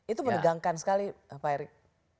itu menegangkan sekali pak erick